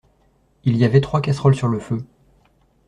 Il y avait trois casseroles sur le feu.